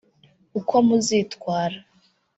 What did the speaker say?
uko muzitwara